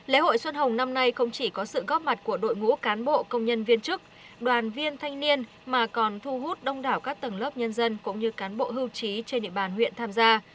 lễ hội xuân hồng năm nay không chỉ có sự góp mặt của đội ngũ cán bộ công nhân viên chức đoàn viên thanh niên mà còn thu hút đông đảo các tầng lớp nhân dân cũng như cán bộ hưu trí trên địa bàn huyện tham gia